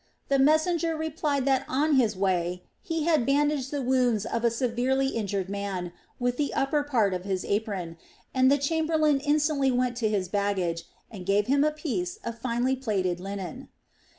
The messenger replied that on his way he had bandaged the wounds of a severely injured man with the upper part of his apron, and the chamberlain instantly went to his baggage and gave him a piece of finely plaited linen.